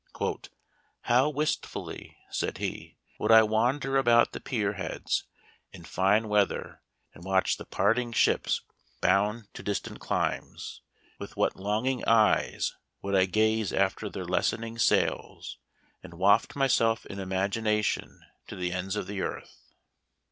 " How wistfully," said he, " would I wander about the pier heads in fine weather, and watch the parting ships 1 8 Memoir of Washington Irving. bound to distant climes ; with what longing eyes would I gaze after their lessening sails, and waft myself in imagination to the ends of the earth